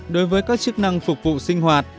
đối với các chức năng phục vụ sinh hoạt